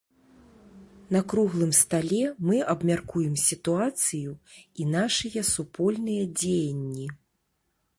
На круглым стале мы абмяркуем сітуацыю і нашыя супольныя дзеянні.